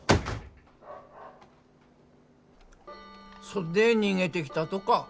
そっで逃げてきたとか。